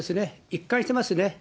一貫してますね。